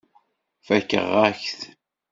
Fakeɣ-ak-t.